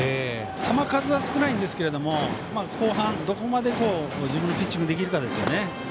球数は少ないんですが後半、どこまで自分のピッチングができるかですね。